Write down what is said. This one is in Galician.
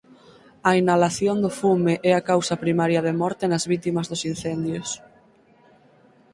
A inhalación do fume é a causa primaria de morte nas vítimas dos incendios.